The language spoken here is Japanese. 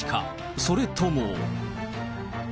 それとも。